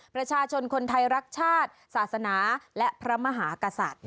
ประชาชนคนไทยรักชาติศาสนาและพระมหากษัตริย์